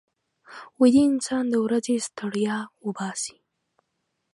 ویده انسان د ورځې ستړیا وباسي